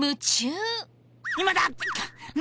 今だ！